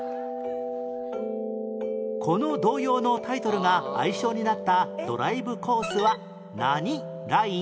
この童謡のタイトルが愛称になったドライブコースは何ライン？